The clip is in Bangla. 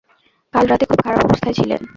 কাল রাত খুব খারাপ অবস্থায় ছিলেন।